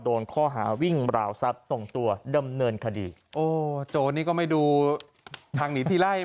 โดนข้อหาวิ่งราวทรัพย์ส่งตัวดำเนินคดีโอ้โจรนี่ก็ไม่ดูทางหนีทีไล่